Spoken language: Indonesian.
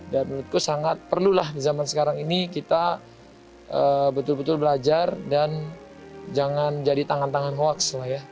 dan menurutku sangat perlulah di zaman sekarang ini kita betul betul belajar dan jangan jadi tangan tangan hoax lah ya